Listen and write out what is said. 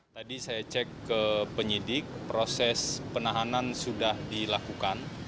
tadi saya cek ke penyidik proses penahanan sudah dilakukan